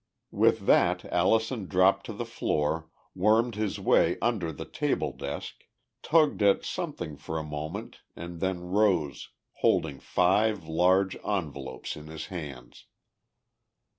With that Allison dropped to the floor, wormed his way under the table desk, tugged at something for a moment and then rose, holding five large envelopes in his hands!